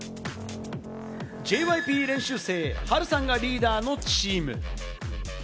ＪＹＰ練習生・ハルさんがリーダーのチーム。